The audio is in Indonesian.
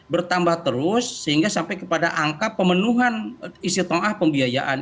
bertambah terus sehingga sampai kepada angka pemenuhan isitomah pembiayaan